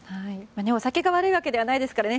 お酒が悪いわけではないですからね。